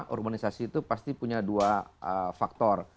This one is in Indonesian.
urbanisasi itu pasti punya dua faktor